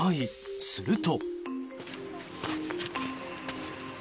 すると。